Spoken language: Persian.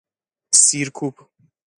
سیرکوب